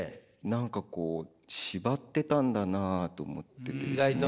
何かこう縛ってたんだなと思っててですね。